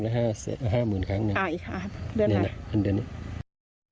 หรือห้าห้าหมื่นครั้งหนึ่งอ่าอีกครับเดือนไหร่อันเดือนนี้